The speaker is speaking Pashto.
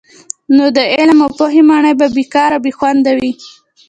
نو د علم او پوهي ماڼۍ به بې کاره او بې خونده وي.